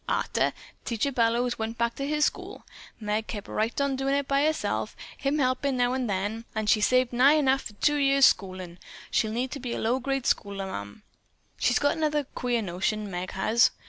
Arter Teacher Bellows went back to his school, Meg kept right on doin' it by herself, him helpin' now an' then, an' she's saved nigh enough for the two years' schoolin' she'll need to be a low grade schoolmarm. She's got another queer notion, Meg has.